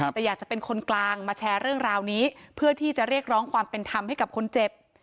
แต่อยากจะเป็นคนกลางมาแชร์เรื่องราวนี้เพื่อที่จะเรียกร้องความเป็นธรรมให้กับคนเจ็บ